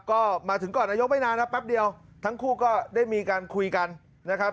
ก็มาถึงก่อนนายกไม่นานนะแป๊บเดียวทั้งคู่ก็ได้มีการคุยกันนะครับ